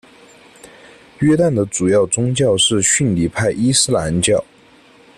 约旦的主要宗教是逊尼派伊斯兰教。